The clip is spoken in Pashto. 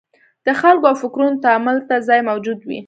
د خلکو او فکرونو تامل ته ځای موجود وي.